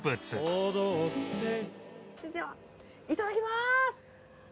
それではいただきます！